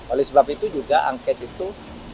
oleh sebab itu juga angket itu